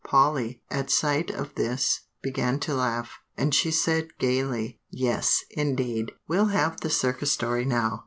Polly, at sight of this, began to laugh; and she said gayly, "Yes, indeed, we'll have the Circus story now.